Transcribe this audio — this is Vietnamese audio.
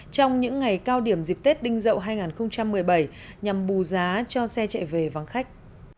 trong những ngày cao điểm dịp tết đinh dậu hai nghìn một mươi bảy nhằm bù giá cho xe chạy về vắng khách